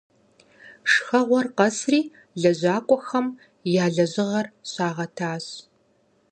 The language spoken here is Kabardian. Шхэгъуэр къэсри лэжьакӀуэхэм я лэжьыгъэр щагъэтащ.